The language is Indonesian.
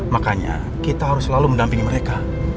makanya kita harus selalu mendampingi mereka